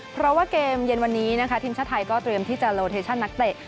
เพราะว่าเกมเย็นวันนี้นะคะทีมชาติไทยก็เตรียมที่จะโลเทชั่นนักเตะ